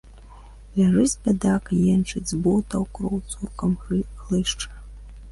Ляжыць, бядак, енчыць, з ботаў кроў цурком хлышча.